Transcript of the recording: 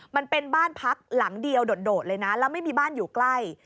มันเป็นบ้านพักหลังเดียวโดดเลยนะแล้วไม่มีบ้านอยู่ใกล้